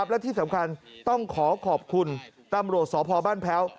และที่สำคัญต้องขอขอบคุณตำรวจสพบ้านแพ้ว